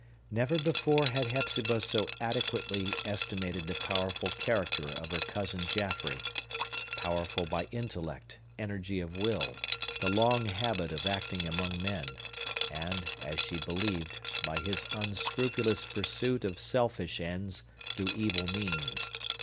Never before had Hepzibah so adequately estimated the powerful character of her cousin Jaffrey,—powerful by intellect, energy of will, the long habit of acting among men, and, as she believed, by his unscrupulous pursuit of selfish ends through evil means.